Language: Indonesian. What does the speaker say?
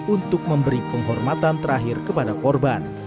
untuk memberi penghormatan terakhir kepada korban